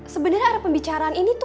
sebenarnya arah pembicaraan ini tuh